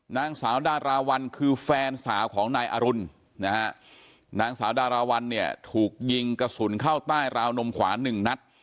นางสาวดาราวันคือแฟนสาวของนายอรุณนะฮะนางสาวดาราวันเนี่ยถูกยิงกระสุนเข้าใต้ราวนมขวาหนึ่งนัด